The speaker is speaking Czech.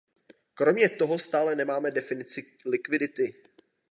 Kromě toho stále nemáme definici likvidity.